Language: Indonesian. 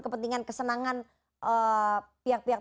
kepentingan kesenangan pihak pihak